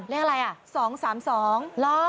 เรียงอะไรอ่ะ